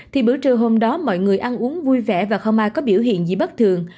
thì bữa trưa hôm đó mọi người ăn uống vui vẻ và không ai có biểu hiện gì bất thường